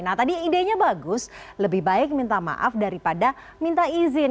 nah tadi idenya bagus lebih baik minta maaf daripada minta izin